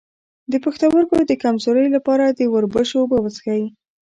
د پښتورګو د کمزوری لپاره د وربشو اوبه وڅښئ